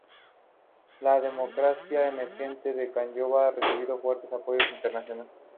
La democracia emergente de Camboya ha recibido un fuerte apoyo internacional.